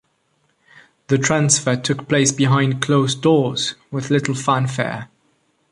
The transfer took place behind closed doors with little fanfare.